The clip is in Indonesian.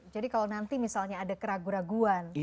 jadi kalau nanti misalnya ada keraguan